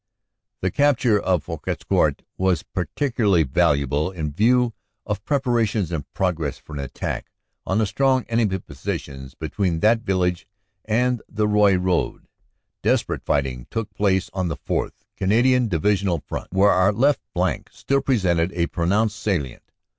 The capture of Fouquescourt was particularly valuable in 58 CANADA S HUNDRED DAYS view of preparations in progress for an attack on the strong enemy positions between that village and the Roye road. Desperate fighting took place on the 4th. Canadian Divisional front, where our left flank still presented a pronounced salient.